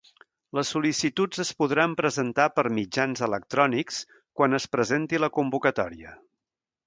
Les sol·licituds es podran presentar per mitjans electrònics quan es presenti la convocatòria.